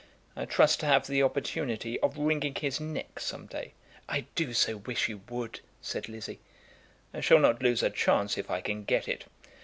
I trust to have the opportunity of wringing his neck some day." "I do so wish you would," said Lizzie. "I shall not lose a chance if I can get it.